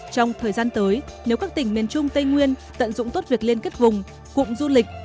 trong thời gian tới nếu các tỉnh miền trung tây nguyên tận dụng tốt việc liên kết vùng cụm du lịch